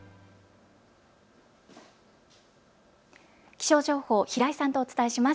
気象情報、平井さんとお伝えします。